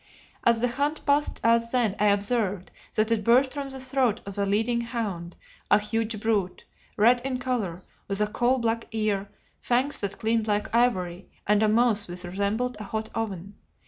As the hunt passed us then I observed that it burst from the throat of the leading hound, a huge brute, red in colour, with a coal black ear, fangs that gleamed like ivory, and a mouth which resembled a hot oven.